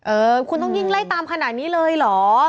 เออคุณต้องยิ่งไล่ตามขนาดนี้เลยเหรอ